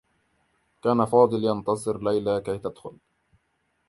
كان فاضل ينتظر ليلى كي تدخل.